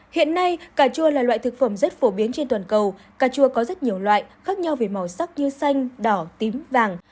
hiện nay cà chua là loại thực phẩm rất phổ biến trên toàn cầu cà chua có rất nhiều loại khác nhau về màu sắc như xanh đỏ tím vàng